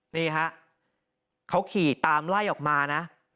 นี่ฮะเขาขี่ตามไล่ออกมานะ